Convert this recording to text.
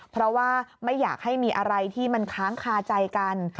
เพราะว่าไม่อยากให้มีอะไรที่มันค้างคาใจกัน